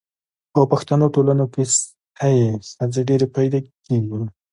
په پښتنو ټولنو کي ستۍ ښځي ډیري پیدا کیږي